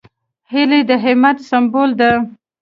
هیلۍ د همت سمبول ده